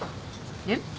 えっ？